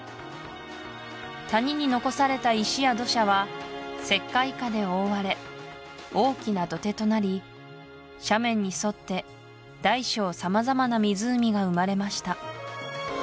谷に残された石や土砂は石灰華で覆われ大きな土手となり斜面に沿って大小さまざまな湖が生まれました